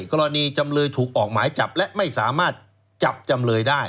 กรณีจำเลยถูกออกหมายจับและไม่สามารถจับจำเลยได้